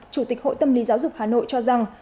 chủ tịch hội tâm lý giáo dục hà nội cho rằng